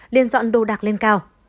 liên dọn đô đạc lên cao